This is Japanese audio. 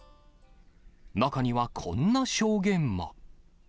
中には、こんな証言も。